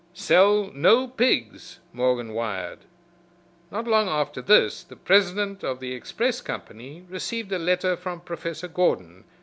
"Sell no pigs," Morgan wired. Not long after this the president of the express company received a letter from Professor Gordon.